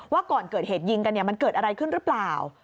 ก่อนเกิดเหตุยิงกันเนี่ยมันเกิดอะไรขึ้นหรือเปล่า